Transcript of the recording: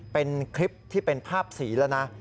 เป็นคลิปที่เป็นภาพสีแล้วนะ